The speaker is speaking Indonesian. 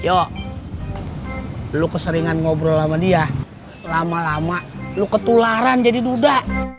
eh yo lo keseringan ngobrol sama dia lama lama lo ketularan jadi duda